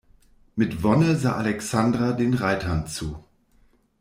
Mit Wonne sah Alexandra den Reitern zu.